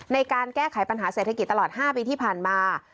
ในการแก้ไขปัญหาเศรษฐกิจตลอด๕ปีที่ผ่านมา